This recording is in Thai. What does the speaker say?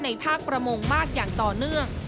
ภาคประมงมากอย่างต่อเนื่อง